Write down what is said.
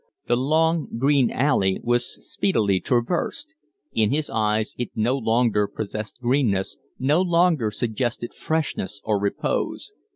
The long, green alley, was speedily traversed; in his eyes it no longer possessed greenness, no longer suggested freshness or repose.